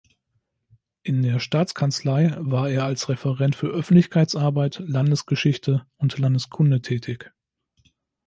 In der Staatskanzlei war er als Referent für Öffentlichkeitsarbeit, Landesgeschichte und Landeskunde tätig.